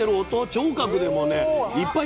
聴覚でもねいっぱい